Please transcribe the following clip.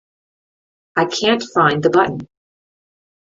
I can't find the button.